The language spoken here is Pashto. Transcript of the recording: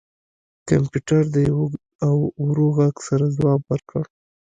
کمپیوټر د یو اوږد او ورو غږ سره ځواب ورکړ